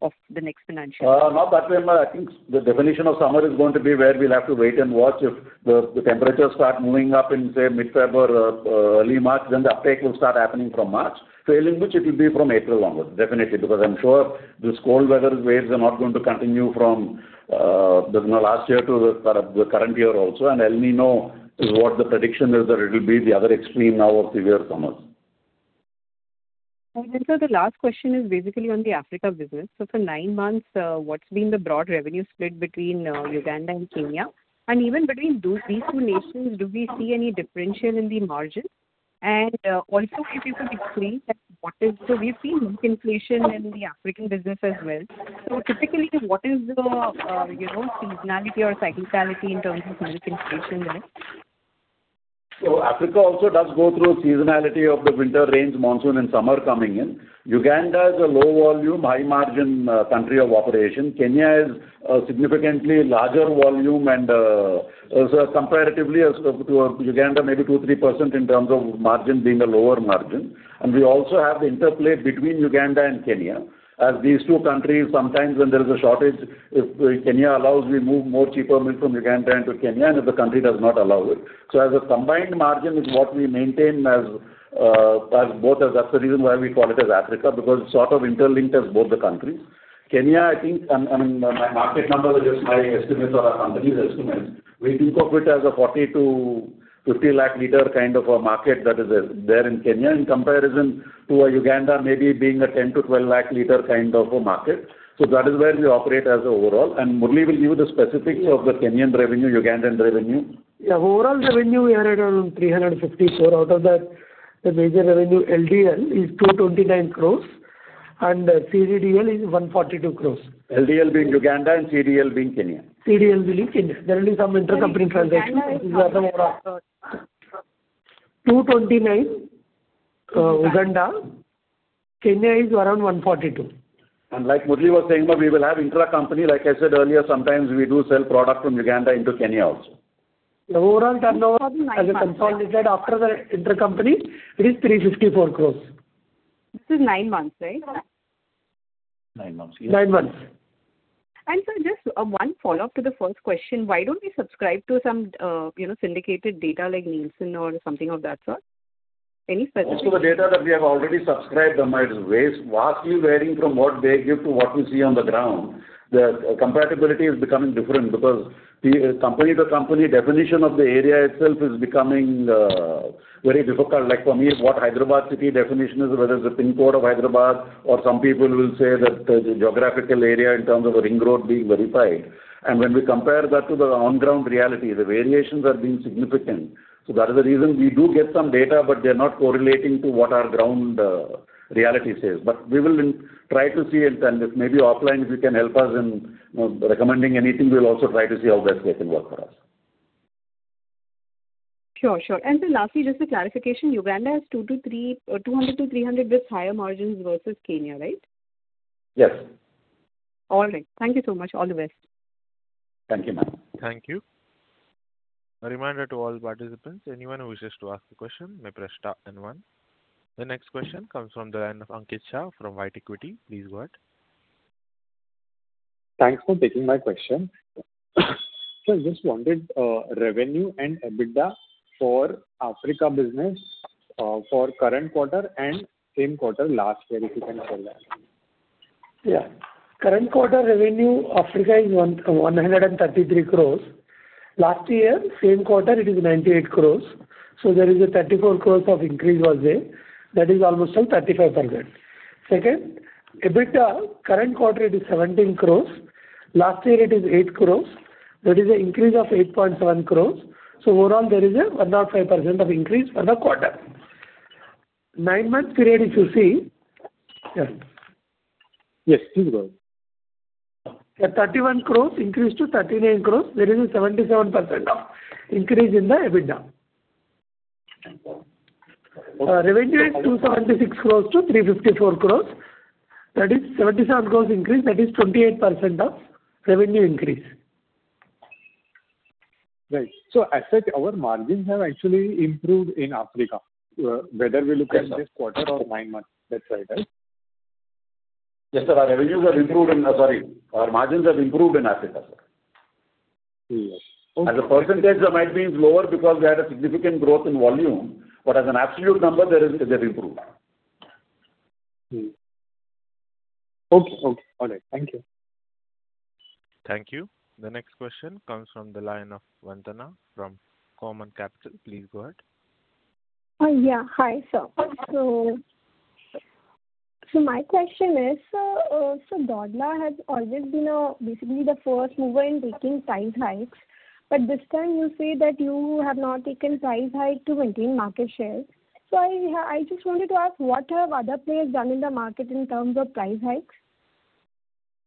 the next financial year? Not that way, ma'am. I think the definition of summer is going to be where we'll have to wait and watch. If the temperatures start moving up in, say, mid-February or early March, then the uptake will start happening from March. Failing which, it will be from April onwards, definitely, because I'm sure this cold weather waves are not going to continue from, you know, last year to the current year also. And El Niño is what the prediction is, that it will be the other extreme now of severe summers. The last question is basically on the Africa business. For nine months, what's been the broad revenue split between Uganda and Kenya? And even between those, these two nations, do we see any differential in the margin? And also, if you could explain that, what is. So we've seen milk inflation in the African business as well. Typically, what is the, you know, seasonality or cyclicality in terms of milk inflation there? So Africa also does go through seasonality of the winter rains, monsoon and summer coming in. Uganda is a low volume, high margin, country of operation. Kenya is a significantly larger volume and, also comparatively as to, to Uganda, maybe 2%-3% in terms of margin being a lower margin. And we also have the interplay between Uganda and Kenya. As these two countries, sometimes when there is a shortage, if Kenya allows, we move more cheaper milk from Uganda into Kenya, and if the country does not allow it. So as a combined margin is what we maintain as, as both, as that's the reason why we call it as Africa, because it's sort of interlinked as both the countries. Kenya, I think, and, and my market number is just my estimates or our company's estimates. We think of it as a 40-50 lakh liter kind of a market that is there in Kenya, in comparison to Uganda maybe being a 10-12 lakh liter kind of a market. So that is where we operate overall. And Murali will give you the specifics of the Kenyan revenue, Ugandan revenue. Yeah, overall revenue, we are at around 354 crore. Out of that, the major revenue, LDL, is 229 crores, and DDKL is 142 crores. LDL being Uganda and DDKL being Kenya. DDKL being Kenya. There will be some intercompany transactions. 229, Uganda. Kenya is around 142. And, like Murali was saying, but we will have intracompany. Like I said earlier, sometimes we do sell product from Uganda into Kenya also. The overall turnover as a consolidated after the intercompany, it is 354 crore. This is nine months, right? Nine months, yes. Nine months. Sir, just one follow-up to the first question. Why don't we subscribe to some, you know, syndicated data like Nielsen or something of that sort? Any specific- Most of the data that we have already subscribed, it is ways vastly varying from what they give to what we see on the ground. The compatibility is becoming different because the company, the company definition of the area itself is becoming very difficult. Like for me, what Hyderabad city definition is, whether it's a pin code of Hyderabad, or some people will say that the geographical area in terms of a ring road being verified. When we compare that to the on-ground reality, the variations are being significant. That is the reason we do get some data, but they are not correlating to what our ground reality says. We will try to see, and then if maybe offline, if you can help us in, you know, recommending anything, we'll also try to see how best way can work for us. Sure, sure. Then lastly, just a clarification, Uganda has 200-300 with higher margins versus Kenya, right? Yes. All right. Thank you so much. All the best. Thank you, ma'am. Thank you. A reminder to all participants, anyone who wishes to ask a question may press star and one. The next question comes from the line of Ankit Shah from White Equity. Please go ahead. Thanks for taking my question. Sir, just wanted revenue and EBITDA for Africa business for current quarter and same quarter last year, if you can tell that. Yeah. Current quarter revenue, Africa is 133 crores. Last year, same quarter, it is 98 crores. So there is a 34 crores of increase was there. That is almost a 35%. Second, EBITDA, current quarter, it is 17 crores. Last year, it is 8 crores. That is an increase of 8.1 crores. So overall, there is a 105% of increase for the quarter. Nine months period, if you see. Yes, please go. The 31 crore increased to 38 crore. There is a 77% of increase in the EBITDA. Revenue is 276 crore- 354 crore. That is 77 crore increase, that is 28% of revenue increase. Right. So as such, our margins have actually improved in Africa, whether we look at this quarter or nine months. That's right, right? Yes, sir, our revenues have improved in. Sorry, our margins have improved in Africa, sir. Yes. As a percentage, that might be lower because we had a significant growth in volume, but as an absolute number, there is a great improvement. Okay, okay. All right, thank you. Thank you. The next question comes from the line of Vandana from Korman Capital. Please go ahead. Yeah. Hi, sir. So, my question is, sir, so Dodla has always been basically the first mover in taking price hikes, but this time you say that you have not taken price hike to maintain market share. So I just wanted to ask, what have other players done in the market in terms of price hikes?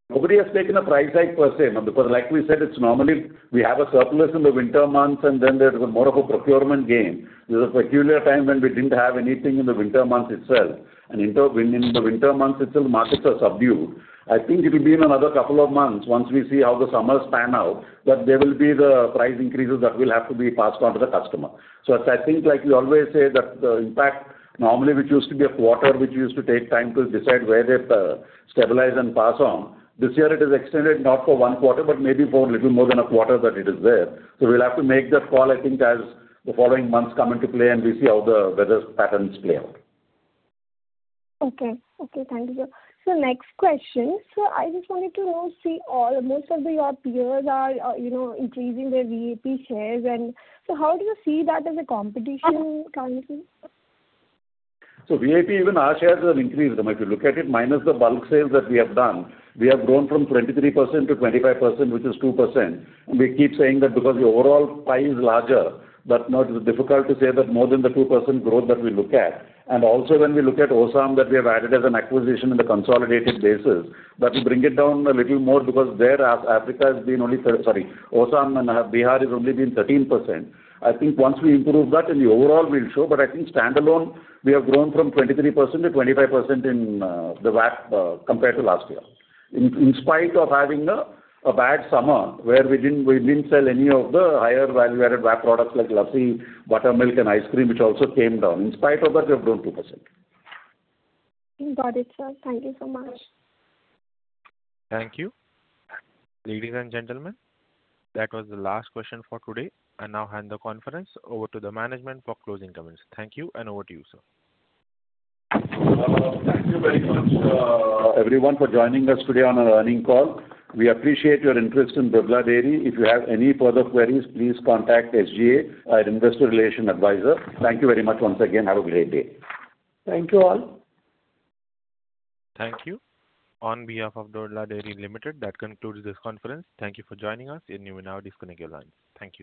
Nobody has taken a price hike per se, because like we said, it's normally we have a surplus in the winter months, and then there's more of a procurement game. This is a peculiar time when we didn't have anything in the winter months itself, and in the winter months itself, markets are subdued. I think it will be in another couple of months, once we see how the summers pan out, that there will be the price increases that will have to be passed on to the customer. So I think, like we always say, that the impact, normally, which used to be a quarter, which used to take time to decide where it, stabilize and pass on, this year it is extended not for one quarter, but maybe for a little more than a quarter that it is there. We'll have to make that call, I think, as the following months come into play and we see how the weather patterns play out. Okay. Okay, thank you, sir. Next question: So I just wanted to know, see all, most of the, your peers are, you know, increasing their VAP shares, and so how do you see that as a competition currently? So VAP, even our shares have increased. If you look at it, minus the bulk sales that we have done, we have grown from 23% to 25%, which is 2%. And we keep saying that because the overall pie is larger, but now it is difficult to say that more than the 2% growth that we look at. And also, when we look at Osam that we have added as an acquisition in the consolidated basis, that will bring it down a little more because there, Osam and Bihar has only been 13%. I think once we improve that, then the overall will show, but I think standalone, we have grown from 23% to 25% in the VAP, compared to last year. In spite of having a bad summer, where we didn't sell any of the higher value-added VAP products like lassi, buttermilk, and ice cream, which also came down. In spite of that, we have grown 2%. Got it, sir. Thank you so much. Thank you. Ladies and gentlemen, that was the last question for today, I now hand the conference over to the management for closing comments. Thank you, and over to you, sir. Thank you very much, everyone, for joining us today on our earnings call. We appreciate your interest in Dodla Dairy. If you have any further queries, please contact SGA, our investor relations advisor. Thank you very much once again. Have a great day. Thank you, all. Thank you. On behalf of Dodla Dairy Limited, that concludes this conference. Thank you for joining us, and you may now disconnect your lines. Thank you.